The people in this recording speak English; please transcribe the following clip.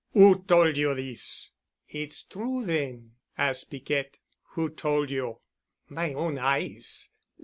"Who told you this?" "It's true, then?" asked Piquette. "Who told you?" "My own eyes.